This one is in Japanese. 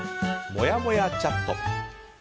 もやもやチャット。